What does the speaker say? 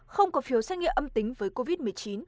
không có phiếu xét nghiệm âm tính với covid một mươi chín